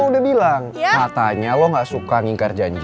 kalo udah bilang katanya lo gak suka ngingkar janji